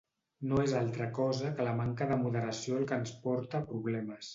No és altra cosa que la manca de moderació el que ens porta problemes.